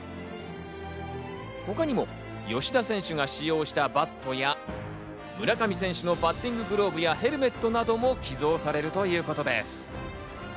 他にも吉田選手が使用したバットや、村上選手のバッティンググローブやヘルメットなども寄贈されるということです。